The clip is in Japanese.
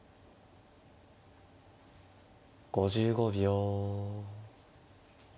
５５秒。